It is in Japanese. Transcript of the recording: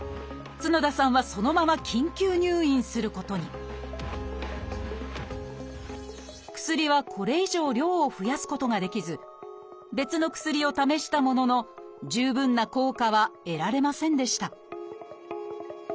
角田さんはそのまま緊急入院することに薬はこれ以上量を増やすことができず別の薬を試したものの十分な効果は得られませんでした